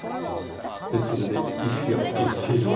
でそれで「意識がはっきりしている」は？